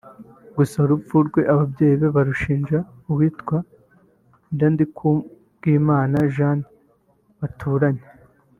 gusa urupfu rwe ababyeyi be barushinja uwitwa Nyirandikubwimana Jeanne baturanye